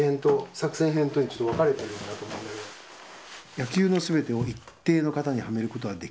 「野球の総てを一定の型にはめる事は出来ない」。